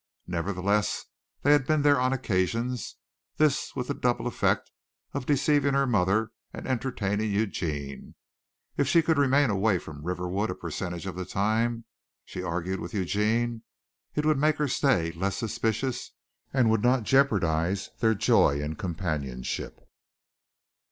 Nevertheless, they had been there on occasions this with the double effect of deceiving her mother and entertaining Eugene. If she could remain away from Riverwood a percentage of the time, she argued with Eugene, it would make her stay less suspicious and would not jeopardize their joy in companionship.